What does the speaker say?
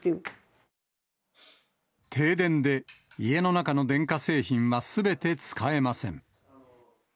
停電で家の中の電化製品はすべて使えません。